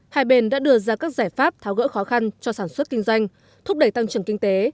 hai bên đã đưa ra các giải pháp tháo gỡ khó khăn cho sản xuất kinh doanh thúc đẩy tăng trưởng kinh tế